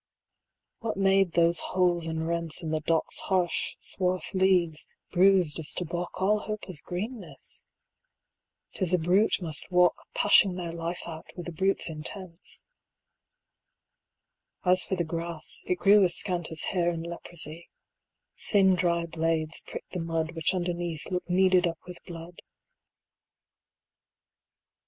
What made those holes and rents In the dock's harsh swarth leaves, bruised as to balk 70 All hope of greenness? 'tis a brute must walk Pashing their life out, with a brute's intents. As for the grass, it grew as scant as hair In leprosy; thin dry blades pricked the mud Which underneath looked kneaded up with blood.